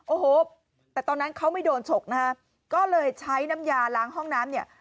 โอ้โหแต่ตอนนั้นเขาไม่โดนฉกนะฮะก็เลยใช้น้ำยาล้างห้องน้ำเนี่ย